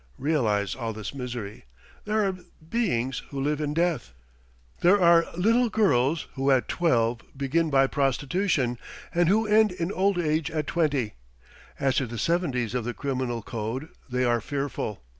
Realize all this misery. There are beings who live in death. There are little girls who at twelve begin by prostitution, and who end in old age at twenty. As to the severities of the criminal code, they are fearful.